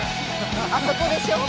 あそこでしょ？